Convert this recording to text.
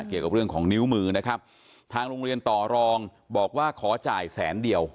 เกี่ยวกับเรื่องของนิ้วมือนะครับทางโรงเรียนต่อรองบอกว่าขอจ่ายแสนเดียว